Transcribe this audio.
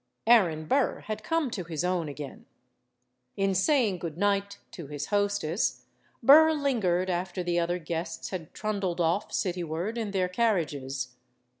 Aaron Burr had come to his own again. In saying good night to his hostess, Burr lingered after the other guests had trundled off cityward in their carriages.